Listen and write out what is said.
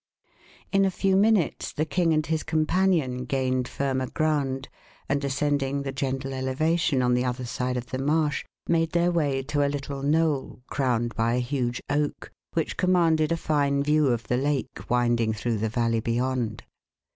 In a few minutes the king and his companion gained firmer ground, and ascending the gentle elevation on the other side of the marsh, made their way to a little knoll crowned by a huge oak, which commanded a fine view of the lake winding through the valley beyond.